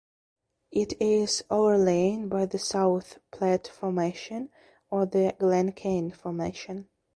It is overlain by the South Platte Formation or the Glencairn Formation.